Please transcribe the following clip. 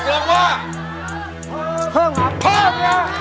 ตกลงว่าเพิ่มหรือเพิ่ม